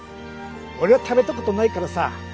俺食べたことないからさ。